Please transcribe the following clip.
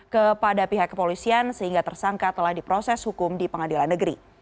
kepada pihak kepolisian sehingga tersangka telah diproses hukum di pengadilan negeri